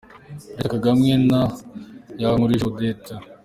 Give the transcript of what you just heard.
Perezida Kagame hamwe na Yankurije Odette .